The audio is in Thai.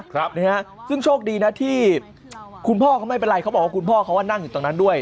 ครับนะฮะซึ่งโชคดีนะที่คุณพ่อเขาไม่เป็นไรเขาบอกว่าคุณพ่อเขานั่งอยู่ตรงนั้นด้วย